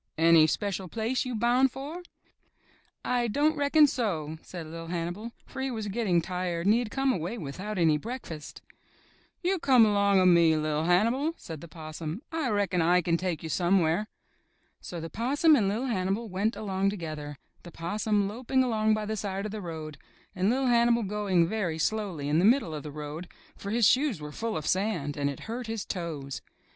''Any special place you boun' for?" ''I don't reckon so," said Li'l' Hannibal, for he was getting tired and he had come away without any break fast. ''You come along of me, Li'l' Hannibal," said the Possum; "I reckon I kin take you somewhere." So the Possum and Li'l' Hannibal went along to gether, the Possum loping along by the side of the road, and Li'l' Hannibal going very slowly in the middle of the road, for his shoes were full of sand and it hurt his toes.